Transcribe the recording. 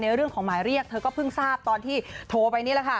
เรื่องของหมายเรียกเธอก็เพิ่งทราบตอนที่โทรไปนี่แหละค่ะ